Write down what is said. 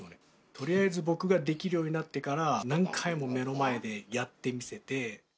とりあえず僕ができるようになってから、何回も目の前でやって見せて。